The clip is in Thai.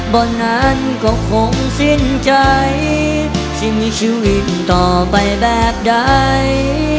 บนนั้นก็คงสิ้นใจที่มีชีวิตต่อไปแบบใด